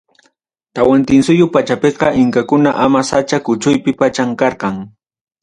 Tawantinsuyu pachapiqa Inkakuna ama sacha kuchuypi pacham karqa.